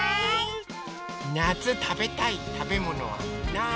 なつたべたいたべものはなに？